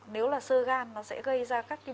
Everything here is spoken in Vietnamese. nếu là sơ gan nó sẽ gây ra xuất huyết tiêu hóa không